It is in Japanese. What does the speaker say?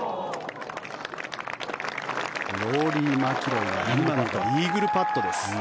ローリー・マキロイが今のでイーグルパットです。